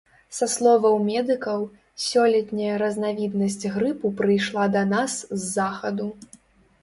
Са словаў медыкаў, сёлетняя разнавіднасць грыпу прыйшла да нас з захаду.